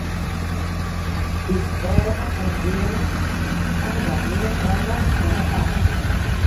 Us eagen en earen hawwe dan mear oandacht foar de act.